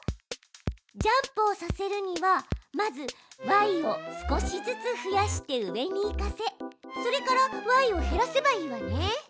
ジャンプをさせるにはまずｙを少しずつ増やして上に行かせそれからｙを減らせばいいわね。